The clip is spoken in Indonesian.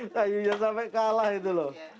kayunya sampai kalah itu loh